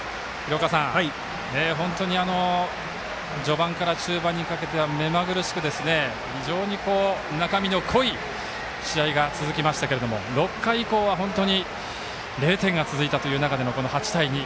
本当に序盤から中盤にかけては目まぐるしく、非常に中身の濃い試合が続きましたけども６回以降は０点が続いたという中での８対２。